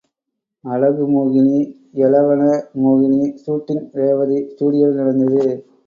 அழகு மோகினி, யெளவன மோகினி சூட்டிங் ரேவதி ஸ்டுடியோவில் நடந்தது.